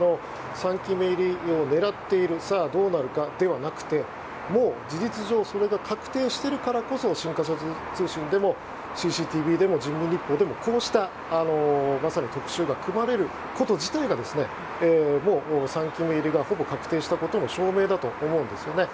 ３期目入りを狙っているさあ、どうなるかではなくてもう事実上それが確定しているからこそ新華社通信でもＣＣＴＶでも人民日報でもこうしたまさに特集が組まれること自体が３期目入りがほぼ確定したことの証明だと思うんです。